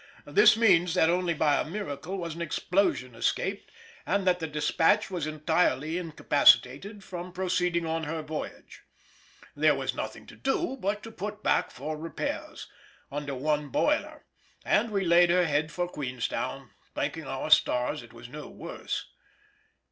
This means that only by a miracle was an explosion escaped, and that the Despatch was entirely incapacitated from proceeding on her voyage. There was nothing to do but to put back for repairs, under one boiler, and we laid her head for Queenstown, thanking our stars it was no worse.